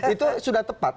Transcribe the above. itu sudah tepat